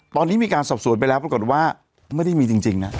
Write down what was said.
ตอนนี้มีการสอบสวนไปแล้วปรากฏว่าไม่ได้มีจริงนะ